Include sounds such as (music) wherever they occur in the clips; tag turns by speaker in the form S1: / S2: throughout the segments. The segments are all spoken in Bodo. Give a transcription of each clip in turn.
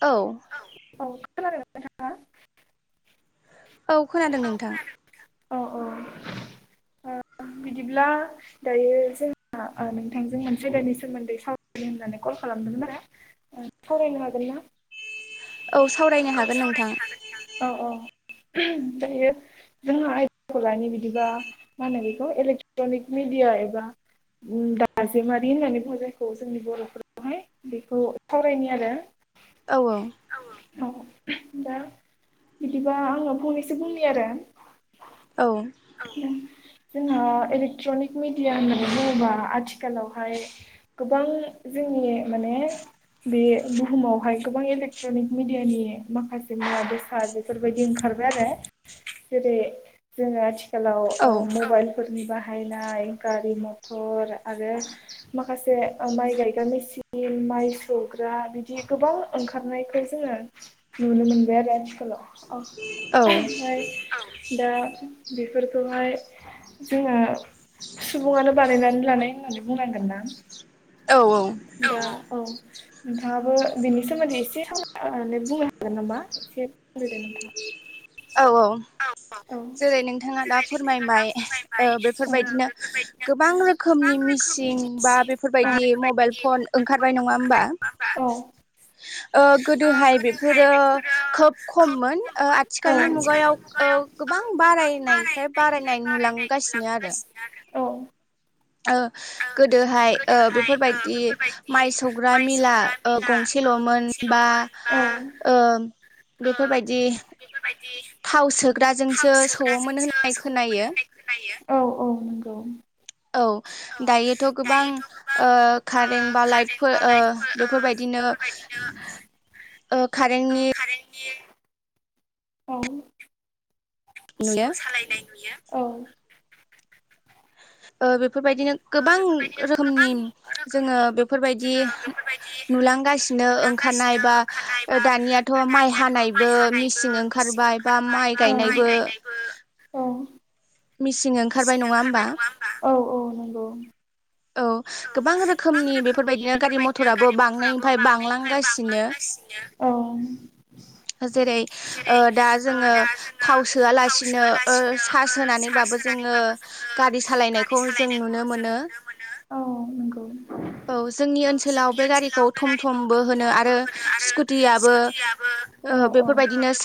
S1: औ।
S2: औ औ खोनादोंना नोंथां।
S1: औ खोनादों नोंथां।
S2: औ औ बिदिब्ला दयो जोंहा आ नोंथांजों मोनसे आयदानि सोमोन्दै सावरायनो होननानै कल खालामदोंमोन आरो ओ सावरायनो हागोन ना
S1: औ सावरायनो
S2: औ
S1: हागोन नोंथां
S2: सावरायनो हागोन नोंथां। औ औ दायो जोंहा आयदाखौ लानि बिदिबा मा होनो इलेक्ट्रनिक मिडिया एबा दाजेमारि होननानै बुंङो जायखौ जोंनि बरफोरा बेहाय बेखौ सावरायनि आरो
S1: औ औ
S2: औ औ बिदिबा आङो फंनैसो बुंनि आरो
S1: औ
S2: जोंहा इलेक्ट्रनिक मिडिया होननानै बुङोबा आथिखालावहाय गोबां जोंनि माने बे बुहुमावहाय गोबां इलेक्ट्रनिक मिडियानि माखासे मुवा बेसाद बेफोरबायदि ओंखारबाय आरो जेरै जोङो आथिखालाव
S1: औ
S2: मबाइल फोरनि बाहायनाय गारि मथर आरो माखासे ओ माइ गायग्रा मेचिन माइ सौग्रा बिदि गोबां ओंखारनायखौ जोङो नुनो मोनबाय आरो आथिखालाव ओमफाय औ दा बेफोरखौहाय जोंहा सुबुङानो बानायनानै लानाय होननानै बुंनांगोन ना
S1: औ औ
S2: दा औ औ नोंथाङाबो बिनि सोमोन्दै एसे सम लानानै बुंनो हागोन नामा एसे बुंग्रोदो नोंथाङा
S1: औ औ
S2: औ
S1: जेरै नोंथाङा दा फोरमायमाय ओ
S2: औ
S1: बेफोरबायदिनो गोबां रोखोमनि मिसिं बा बेफोर बेफोरबायदि मबाइल फन ओंखारबाय नङा होमबा
S2: होमबा
S1: ओ गोदोहाय बेफोरो खोब खममोन ओ आथिखालनि मुगायाव ओ गोबां बारायनाय फ्राय बारायनाय नुलांगासिनो आरो।
S2: औ।
S1: ओ गोदोहाय ओ बेफोरबायदि माइ सौग्रा मिला ओ गंसेलमोन बा ओ
S2: औ।
S1: बेफोरबायदि
S2: बेफोरबायदि
S1: थाव
S2: थाव
S1: सोग्राजोंसो सौवोमोन
S2: सोग्राजोंसो
S1: होननाय
S2: सौवोमोन
S1: खोनायो
S2: होननाय खोनायो।
S1: औ
S2: औ
S1: दायोथ' गोबां
S2: दायोथ' गोबां
S1: ओ
S2: ओ
S1: कारेन्ट बा
S2: कारेन्ट
S1: लाइटफोर
S2: बा
S1: ओ
S2: लाइटफोर ओ
S1: बेफोरबायदिनो
S2: बेफोर बेबायदिनो
S1: ओ कारेन्टनि नुयो
S2: बिसिखौ सालायनाय नुयो।
S1: ओ‌ बेफोरबायदिनो गोबां रोखोमनि जोङो बेफोरबायदि नुलांगासिनो ओंखारनाय बा ओ दानियाथ' माइ हानायबो मिसिं ओंखारबाय बा माइ गायनायबो
S2: मिसिं ओंखारबाय नङा होमबा?
S1: औ। गोबां रोखोमनि बेफोरबायदिनो गारि मथराबो बांनायनिफ्राय बांलांगासिनो।
S2: औ।
S1: जेरै
S2: जेरै
S1: दा
S2: ओ
S1: जोङो
S2: दा जोङो
S1: थाव
S2: थाव
S1: सोआलासिनो ओ
S2: सोयालासिनो
S1: सार्स
S2: ओ चार्ज
S1: होनानैबाबो जोङो
S2: होनानैबाबो जोङो
S1: गारि
S2: गारि
S1: सालायनायखौ जों
S2: सालायनायखौ
S1: नुनो
S2: जों
S1: मोनो
S2: नुनो मोनो। औ
S1: औ जोंनि ओनसोलाव
S2: जोंनि
S1: बे गारिखौ
S2: ओनसोलाव बे
S1: थम
S2: गारिखौ
S1: थमबो
S2: थम
S1: होनो
S2: थमबो
S1: आरो
S2: होनो आरो
S1: स्कुटियाबो
S2: स्कुटियाबो
S1: ओ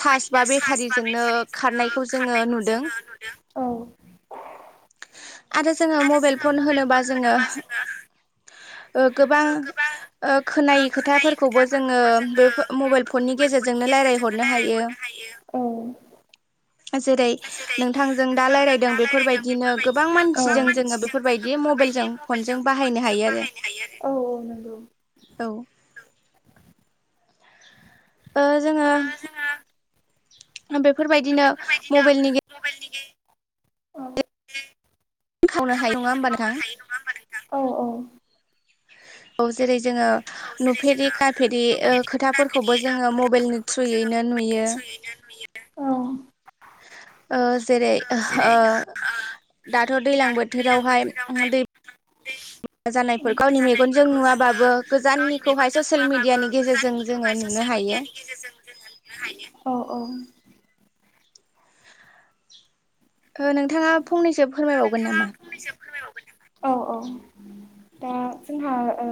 S1: चार्ज बा
S2: सार्स बा
S1: बेटारिजोंनो
S2: बेथारिजोंनो
S1: खारनायखौ जोङो
S2: खारनायखौ
S1: नुदों
S2: जोङो नुदों। औ।
S1: आरो जोङो मबेल फन होनोबा जोङो ओ गोबां ओ खोनायै खोथाफोरखौबो जोङो बेफोर मबाइल फननि गेजेरजोंनो रायलायहर नो हायो जेरै नों थांजों दा लायरायदों बेफोरबायदिनो गोबां मानसिजों जोङो बेफोरबायदि मबाइलजों फनजों बाहायनो हायो आरो
S2: औ औ नंगौ
S1: औ। ओ जोङो
S2: ओ जोंहा
S1: बेफोरबायदिनो मबेलनि गे
S2: (unintelligible)
S1: खावनो हायो नङा होमबा नोंथां?
S2: औ औ।
S1: औ जेरै जो‌‌ङो नुफेरि खाफेरि ओ खोथाफोरखौबो जोङो मबेलनि थ्रुयैनो नुयो।
S2: औ
S1: ओ जेरै ओह दाथ' दैलां बोथोरावहाय दै
S2: दै
S1: जानायफोरखौ गावनि मेगनजों नुवाबाबो गोजाननिखौहाय ससियेल मिडियानि गेजेरजों जोङो नुनो हायो।
S2: औ औ।
S1: ओ नोंथाङा फंनैसो फोरमायबावगोन नामा?
S2: फंनैसो फोरमायबावगोन नामा औ औ। दा जोंहा ओ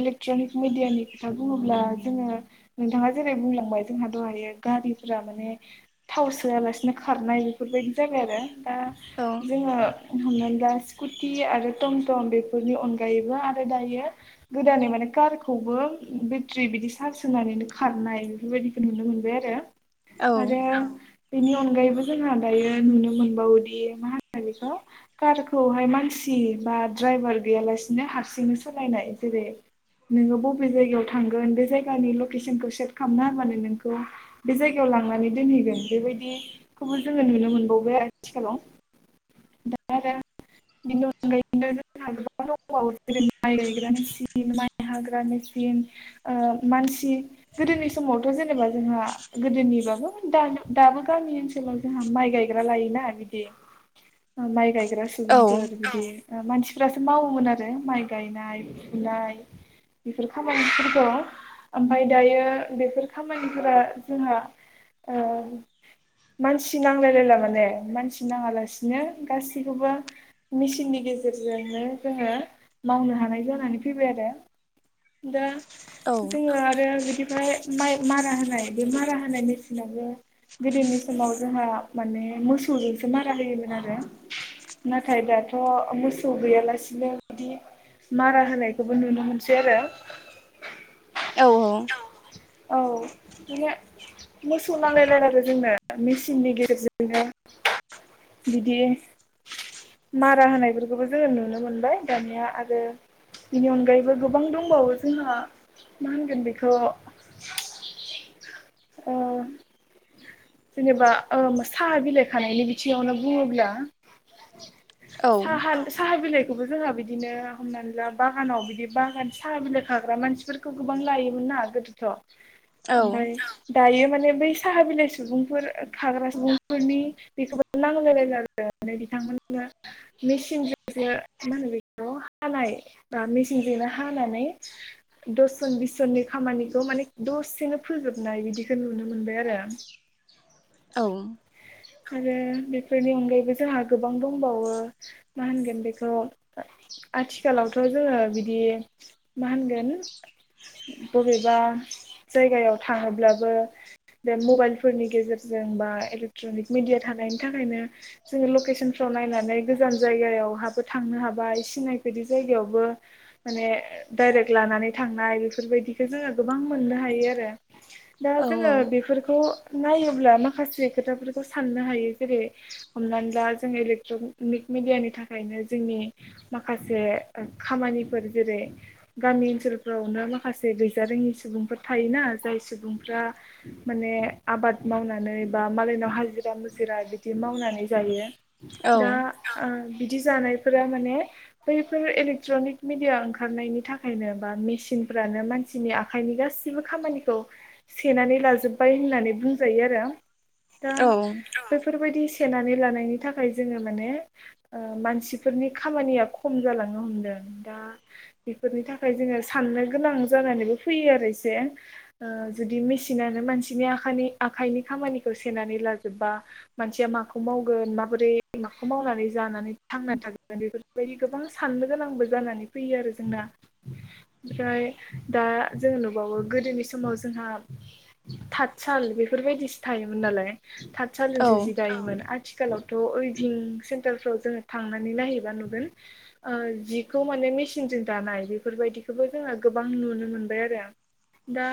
S2: इलेक्ट्रनिक मिडियानि खोथा बुङोब्ला जोङो। नोंथाङा जेरै बुंलांबाय जोंहा दहायो गारिफोरा माने। थाव सोआलासिनो खारनाय बेफोरबायदि जाबाय आरो दा
S1: औ
S2: जोङो हमनानै। दा स्कुटि आरो टमटम बेफोरनि अनगायैबो आरो दायो। गोदानै माने कारखौबो बेट्रि बिदि सार्ज होनानैनो खारनाय बेफोरबायदि। नुनो मोनबाय आरो
S1: औ
S2: आरो बेनि अनगायैबो जोंहा दायो नुनो मोनबावोदि मा होनो बेखौ। कारखौहाय मानसि बा द्राइभार गैयालासिनो हारसिंनो सालायनाय जेरै नोङो बबे जायगायाव थांगोन बे जायगानि लकेसनखौ सेट खालामना होबानो नोंखौ। बे जायगायाव लांनानै दोनहैगोन बेबायदि खौबो जोङो नुनो मोनबावबाय आथिखालाव। (unintelligible) बेनि अनगायैबो जोङो। (inaudible) जेरै माइ गायग्रा मेसिन माइ हाग्रा मेसिन। ओ मानसि। गोदोनि समावथ' जेनेबा जोंहा गोदोनिबाबो (unintelligible) दाबो गामि ओनसोल। (unintelligible) जोंहा माइ गायग्रा लायोना बिदि माइ गायग्रा सुबुंफोर बिदि। ओ मानसिफ्रासो मावोमोन आरो माइ गायनाय फुनाय। बेफोर खामानिफोरखौ। ओमफाय दायो बेफोर खामानिफोरा जोंहा ओ मानसि नांलायलायला माने मानसि नाङालासिनो गासैखौबो। मेसिननि गेजेरजोंनो जोङो मावनो हानाय जानानै फैबाय आरो। दा जोङो आरो बिदिफ्राय। माइ मारा होनाय बे मारा होनाय मेसिनाबो। गोदोनि समाव जोंहा माने मोसौजोंसो मारा होयोमोन आरो। नाथाय दाथ' मोसौ गैयालासिनो बिदि मारा होनायखौबो नुनो मोनसै आरो।
S1: औ औ।
S2: औ (unintelligible) मोसौ नांलाय लायला आरो जोंनो मेसिननि गेजेरजोंनो बिदि मारा होनायफोरखौबो जोङो नुनो मोनबाय दानिया आरो बेनि अनगायैबो गोबां दंबावो जोंहा मा होनगोन बेखौ ओ जेनेबा ओ साहा बिलाइ खानायनि बिथिंआवनो बुङोब्ला साहा साहा बिलायखौबो जोंहा बिदिनो हमनानै ला बागानाव बिदि बागान साहा बिलाइ खाग्रा मानसिफोर खौ गोबां लायोमोन ना गोदोथ' ओमफ्राय दायो माने बै साहा बिलाइ सुबुंफोर खाग्रा सुबुंफोरनि बेखौबो नांलाय लायला आरो बिथांमोननो मेचिनजोंसो मा होनो बेखौ हानाय बा मेचिनजोंनो हानानै दसजन बिस जननि खामानिखौ माने दसेनो फोजोबनाय बिदिखौ नुनो मोनबाय आरो।
S1: औ।
S2: आरो बेफोरनि अनगायैबो जोंहा गोबां दंबावो। मा होनगोन बेखौ आथिखालावथ' जोङो बिदि मा होनगोन? बबेबा जायगायाव थाङोब्लाबो बे मबाइल फोरनि गेजेरजों बा इलेक्ट्रनिक मिडिया थानायनि थाखायनो जोङो लकेसनफ्राव नायनानै गोजान जायगायावहाबो थांनो हाबाय सिनाय बायदि जायगायावबो माने डाइरेक्ट लानानै थांनाय बेफोरबायदिखौ जोङो गोबां मोननो हायो आरो। दा
S1: औ
S2: जोङो बेफोरखौ नायोब्ला माखासे खोथाफोरखौ साननो हायो जेरै हमनानै ला जों इलेक्ट्रनिक मिडियानि थाखायनो जोंनि माखासे ओ खामानिफोर जेरै गामि ओनसोलफ्रावनो माखासे गैजारोङि सुबुंफोर थायोना, जाय सुबुंफ्रा माने आबाद मावनानै बा मालायनाव हाजिरा मुजिरा बिदि मावनानै जायो, दा बिदि जानायफोरा माने बैफोर इलेक्ट्रनिक मिडिया ओंखारनायनि थाखायनो बा मेसिनफ्रानो मानसि नि आखाइनि गासिबो खामानिखौ सेनानै लाजोब्बाय होननानै बुंजायो आरो दा बेफोरबायदि सेनानै लानायनि थाखाय जोङो माने ओ मानसिफोरनि खामानिया हमदों दा बेफोरनि थाखाय जोङो साननो गोनां जानानैबो फैयो आरो एसे। ओ जुदि मेसिनानो मानसिनि आखानि आखाइनि लाजोबबा मानसिया माखौ मावगोन माबोरै माखौ मावनानै जानानै थांनानै थागोन बेफोर बायदि गोबां साननो गोनांबो जानानै फैयो आरो जोंना। ओमफ्राय दा जोङो नुबावो गोदोनि समाव जोंहा थतसाल बेफोरबायदिसो थायोमोन नालाय थतसालजोंसो जि दायोमोन। आरो आथिखालावथ' उइभं सेन्टारफ्राव जोङो थांनानै नायहैबा नुगोन। ओ जिखौ माने मेसिनजों दानाय बेफोरबायदिखौबो जोङो गोबां नुनो मोनबाय आरो। दा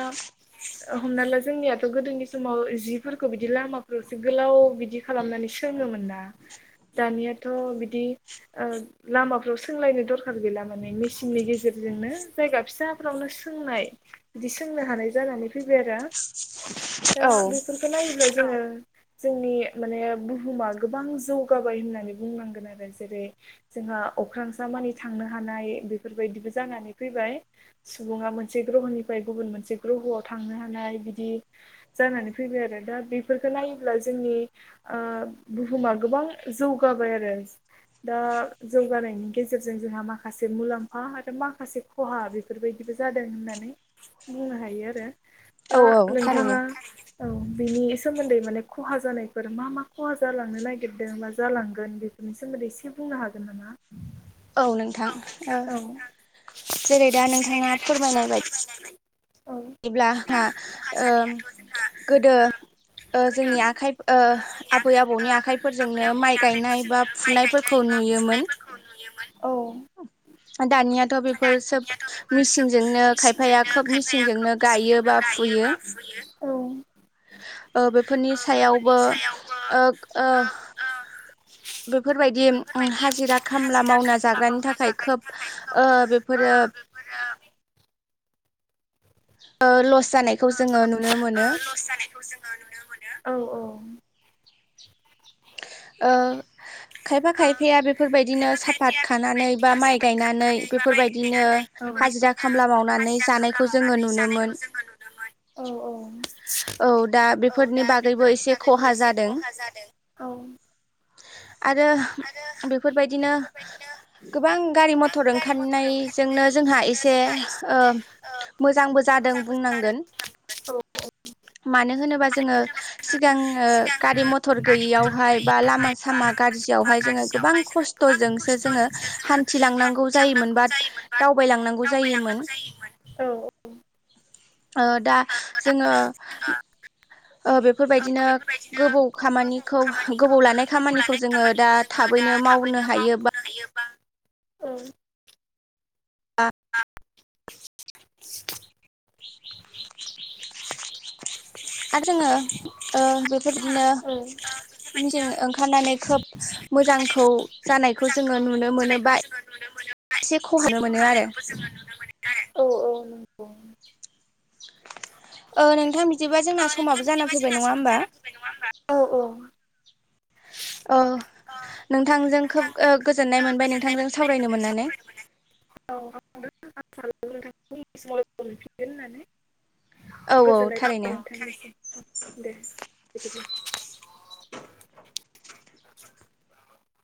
S2: हमना ला जोंनियाथ' गोदोनि समाव जिफोरखौ बिदि लामाफोरावसो गोलाव बिदि खालामनानै सोङोमोन ना। दानियाथ' बिदि ओ लामाफ्राव सोंलायनो दरखार गैला माने मेसिननि गेजेरजोंनो जायगा फिसाफ्रावनो सोंनाय बिदि सोंनो हानाय जानानै फैबाय आरो दा बेफोरखौ नायोब्ला जोङो जोंनि माने बुहुमा गोबां जौगाबाय होननानै बुंनांगोन आरो जेरै जोंहा अख्रांसा मानि थांनो हानाय बेफोरबायदिबो जानानै फैबाय। सुबुङा मोनसे ग्रहनिफ्राय गुबुन मोनसे ग्रह'आव थांनो हानाय बिदि जानायनै फैबाय आरो दा बेफोरखो नायोब्ला जोंनि आ बुहुमा गोबां जौगाबाय आरो। दा जौगानायनि गेजेरजों जोंहा माखासे मुलाम्फा आरो माखासे खहा बेफोरबायदिबो जादों होननानै बुंनो हायो आरो
S1: औ
S2: दा
S1: थारैनो
S2: नोंथाङा औ बिनि सोमोन्दै माने खहा जानायफोर मा मा खहा जालांनो नागिरदों मा जालांगोन बे बेनि सोमोन्दै एसे बुंनो हागोन नामा?
S1: औ
S2: औ नोंथां
S1: ओ
S2: औ जेरै दा नोंथाङा फोरमायाय बायदि औ
S1: बायदिब्ला
S2: जेब्ला
S1: हा
S2: खहा
S1: ओ
S2: जानायाथ' जोंहा
S1: गोदो ओ जोंनि आखाइ ओ आबै आबौनि आखाइफोरजोंनो माइ गायनाय बा फुनायफोरखौ नुयोमोन
S2: औ
S1: दानियाथ' बेफोर सोब मिसिनजोंनो खायफाया खोब मिसिन जोंनो गायो बा फुयो। ओ बेफोरनि सायावबो ओग ओ। बेफोरबायदि हाजिरा खामला मावना जाग्रानि थाखाय खोब ओ बेफोरो
S2: (unintelligible)
S1: ओ लस जानायखौ जोङो नुनो मोनो।
S2: लस जानायखौ जोङो नुनो मोनो। औ औ।
S1: ओ खायफा खायफाया बेफोरबायदिनो साफात खानानै बा माइ गायनानै बेफोरबायदिनो
S2: औ
S1: हाजिरा खामला मावनानै जानायखौ जोङो नुनो मोन
S2: औ औ।
S1: औ दा बेफोरनि बागैबो एसे खहा जादों।
S2: जादों। औ।
S1: आरो बेफोरबायदिनो गोबां गारि मथर ओंखारनायजोंनो जोंहा एसे ओ मोजांबो जादों बुंनांगोन।
S2: औ औ।
S1: मानो होनोबा जोङो सिगां ओ गारि मथर गैयियावहाय बा लामा सामा गाज्रियावहाय जोङो गोबां खस्थ'जोंसो जोङो हान्थिलांनांगौ जायोमोन बाट दावबायलांनांगौ जायोमोन। ओ दा जोङो ओ बेफोरबायदिनो गोबौ खामानिखौ गोबाव लानाय खामानिखौ जोङो दा थाबैनो मावनो हायो बा
S2: हायो बा उम
S1: आ
S2: (inaudible)
S1: (inaudible)
S2: (inaudible)
S1: आरो जोङो ओ बेफोरबायदिनो जों ओंखारनानै खोब मोजांखौ जानायखौ जोङो नुनो मोनो बा (unintelligible) नुनो मोनो आरो।
S2: औ औ नंगौ।
S1: ओ नोंथां बिदिबा जोंना समाबो जाना फैबाय नङा होमबा?
S2: नङा होमबा? औ औ
S1: औ नोंथांजों खोब गोजोननाय मोनबाय नोंथांजों सावरायनो मोननानै।
S2: (unintelligible)
S1: औ औ
S2: गोजोन्नाय
S1: थारैनो
S2: थाबाय नोंथांनिसिम दे। बिदिब्ला (inaudible)